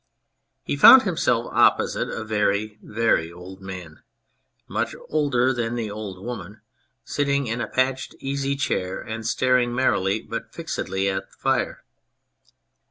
He found himself opposite a very, very old man, much older than the old woman, sitting in a patched easy chair and staring merrily but fixedly at the fire.